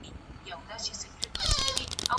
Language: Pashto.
هغه په پښتو ژبي کتاب ليکي.